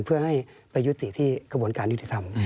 เพื่อให้ไปยุติที่กระบวนการยุติธรรม